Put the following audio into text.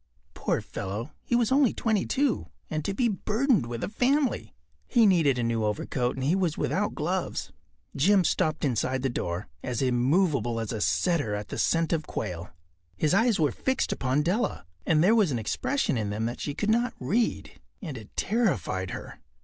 Poor fellow, he was only twenty two—and to be burdened with a family! He needed a new overcoat and he was without gloves. Jim stopped inside the door, as immovable as a setter at the scent of quail. His eyes were fixed upon Della, and there was an expression in them that she could not read, and it terrified her.